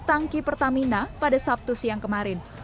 tangki pertamina pada sabtu siang kemarin